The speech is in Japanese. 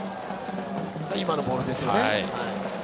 今のボールですよね。